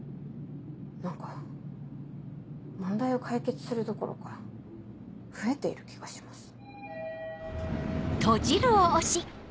何か問題を解決するどころか増えている気がします。